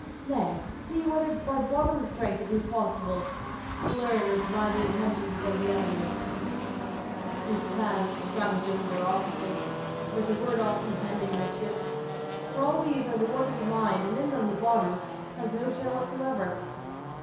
Nay; see whether by bodily strength it be possible to learn or divine the intentions of the enemy, his plans, stratagems, or obstacles, or to ward off impending mischief; for all these are the work of the mind, and in them the body has no share whatever.